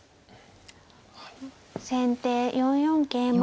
先手４四桂馬。